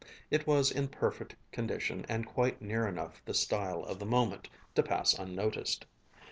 It was in perfect condition and quite near enough the style of the moment to pass unnoticed.